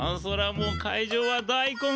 もう会場は大根売り場。